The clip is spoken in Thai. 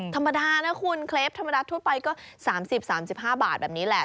ธรรมดานะคุณเคล็ปธรรมดาทั่วไปก็๓๐๓๕บาทแบบนี้แหละ